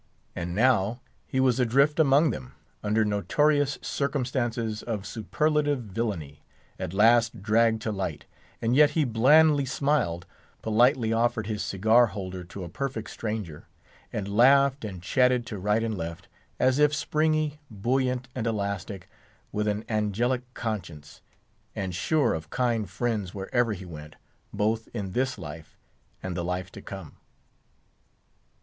And now he was adrift among them, under notorious circumstances of superlative villainy, at last dragged to light; and yet he blandly smiled, politely offered his cigar holder to a perfect stranger, and laughed and chatted to right and left, as if springy, buoyant, and elastic, with an angelic conscience, and sure of kind friends wherever he went, both in this life and the life to come.